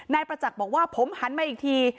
นายประจักษ์บอกว่าผมหันมาอีกที